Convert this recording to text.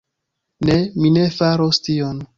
Ne, mi ne faros tion.